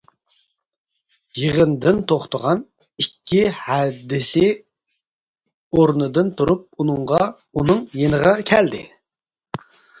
يىغىدىن توختىغان ئىككى ھەدىسى ئورنىدىن تۇرۇپ ئۇنىڭ يېنىغا كەلدى.